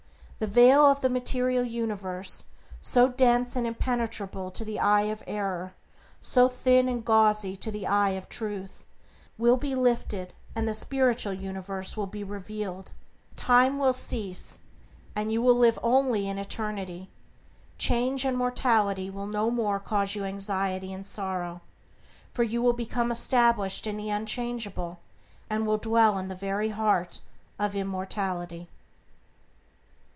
The veil of the material universe, so dense and impenetrable to the eye of error, so thin and gauzy to the eye of Truth, will be lifted and the spiritual universe will be revealed. Time will cease, and you will live only in Eternity. Change and mortality will no more cause you anxiety and sorrow, for you will become established in the unchangeable, and will dwell in the very heart of immortality.